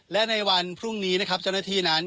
และในวันพรุ่งนี้นะครับเจ้าหน้าที่นั้น